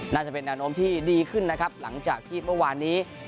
น่าจะเป็นแนวโน้มที่ดีขึ้นนะครับหลังจากที่เมื่อวานนี้